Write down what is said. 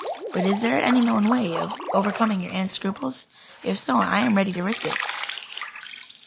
"But is there any known way of overcoming your aunt's scruples? If so, I am ready to risk it."